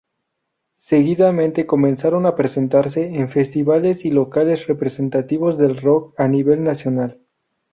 Seguidamente, comenzaron a presentarse en festivales y locales representativos del rock, a nivel nacional.